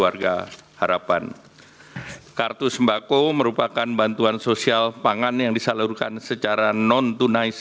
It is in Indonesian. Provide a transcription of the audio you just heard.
ada warszawa no sejak kebetulan toral yermes dua ribu delapan belas